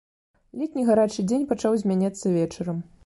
Летні гарачы дзень пачаў змяняцца вечарам.